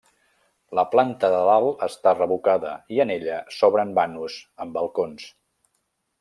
La planta de dalt està revocada i en ella s'obren vanos amb balcons.